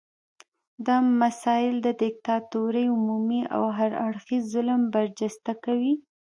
دا مسایل د دیکتاتورۍ عمومي او هر اړخیز ظلم برجسته کوي.